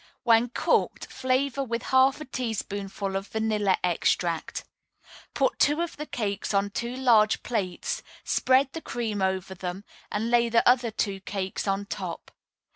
When cooked, flavor with half a teaspoonful of vanilla extract. Put two of the cakes on two large plates, spread the cream over them, and lay the other two cakes on top.